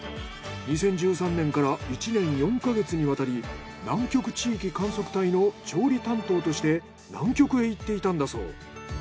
２０１３年から１年４か月にわたり南極地域観測隊の調理担当として南極へ行っていたんだそう。